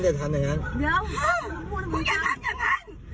เดี๋ยวมีคุณเขามา